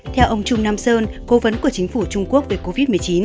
theo ông trung nam sơn cố vấn của chính phủ trung quốc về covid một mươi chín